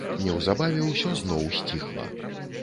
Неўзабаве ўсё зноў сціхла.